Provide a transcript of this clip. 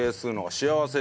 幸せ。